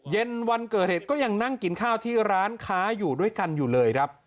เย็นวันเกิดเหตุก็ยังนั่งกินข้าวที่ร้านค้าอยู่ด้วยกันอยู่เลยครับ